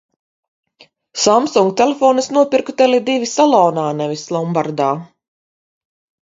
Samsung telefonu es nopirku "Tele divi" salonā nevis lombardā.